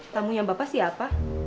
tamunya bapak siapa